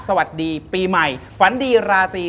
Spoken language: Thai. สวัสดีปีใหม่ฝันดีราตรี